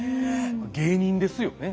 芸人ですよね。